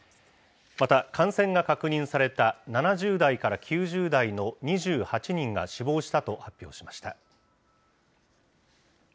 また感染が確認された７０代から９０代の２８人が死亡したと発表しました。